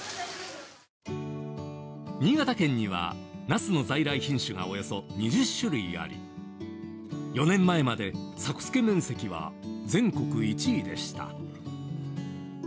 新潟県にはナスの在来品種がおよそ２０種類あり４年前まで作付面積は全国１位でした。